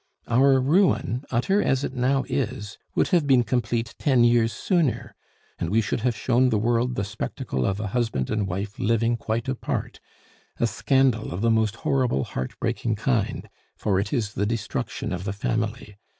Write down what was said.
Our ruin, utter as it now is, would have been complete ten years sooner, and we should have shown the world the spectacle of a husband and wife living quite apart a scandal of the most horrible, heart breaking kind, for it is the destruction of the family.